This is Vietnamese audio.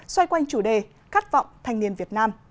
xoay quanh chủ đề khát vọng thanh niên việt nam